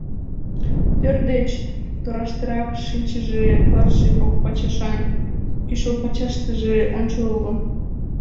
Пӧрт деч тораштырак шинчыше клатше кок пачашан, кӱшыл пачашыштыже ончыл уло.